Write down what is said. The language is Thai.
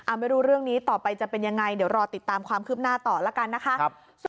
ไม่รู้เรื่องนี้ต่อไปจะเป็นยังไงเดี๋ยวรอติดตามความคืบหน้าต่อแล้วกันนะคะ